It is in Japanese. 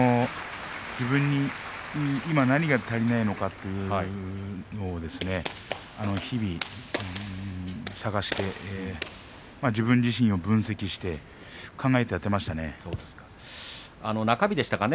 今、自分に何が足りないのかというのを日々、探して自分自身を分析して考えてやっていましたね。